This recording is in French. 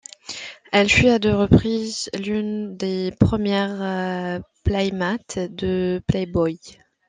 Elle fut, à deux reprises, l'une des premières playmates de Playboy.